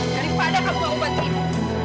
daripada kamu mau bantu ibu